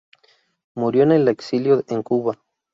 Murió en el exilio en Cuba.